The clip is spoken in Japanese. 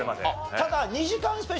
ただ。